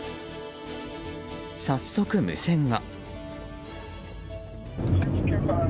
早速、無線が。